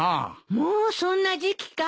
もうそんな時期か。